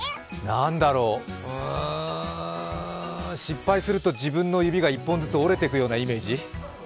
何だろう、うん、失敗すると自分の指が１本ずつ折れていくようなイメージ？